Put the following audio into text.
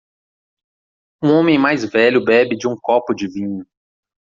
Um homem mais velho bebe de um copo de vinho.